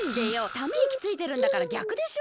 ためいきついてるんだからぎゃくでしょ。